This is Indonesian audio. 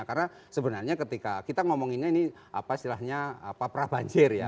karena sebenarnya ketika kita ngomongin ini apa istilahnya prabanjir ya